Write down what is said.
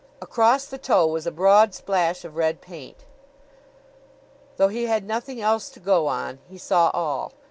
Across the toe was a broad splash of red paint. Though he had nothing else to go on, he saw all.